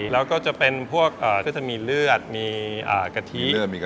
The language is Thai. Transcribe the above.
แล้วก็จะมีเลือดมีกะทิ